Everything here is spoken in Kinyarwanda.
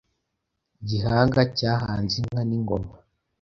Gihanga cyahanze inka n’ingoma